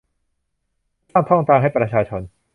เพื่อสร้างช่องทางให้ประชาชน